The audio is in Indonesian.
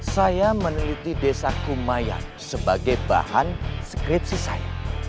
saya meneliti desa kumayan sebagai bahan skripsi saya